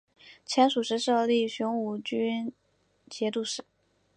前蜀时设立雄武军节度使。